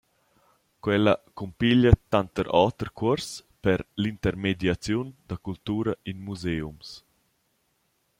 Quella cumpiglia tanter oter cuors per l’intermediaziun da cultura in museums.